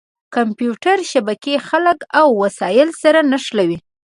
کمپیوټر شبکې خلک او وسایل سره نښلوي.